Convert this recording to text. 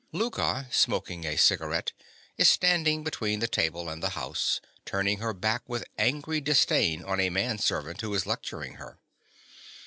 Louka, smoking a cigaret, is standing between the table and the house, turning her back with angry disdain on a man servant who is lecturing her.